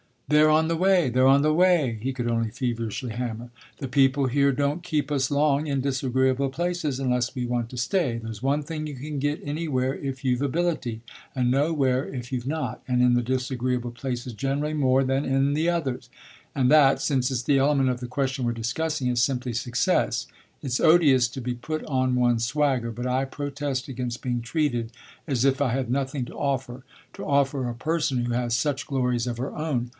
"They're on the way, they're on the way!" he could only feverishly hammer. "The people here don't keep us long in disagreeable places unless we want to stay. There's one thing you can get anywhere if you've ability, and nowhere if you've not, and in the disagreeable places generally more than in the others; and that since it's the element of the question we're discussing is simply success. It's odious to be put on one's swagger, but I protest against being treated as if I had nothing to offer to offer a person who has such glories of her own.